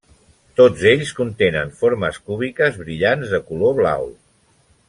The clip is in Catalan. Tots ells contenen formes cúbiques brillants de color blau.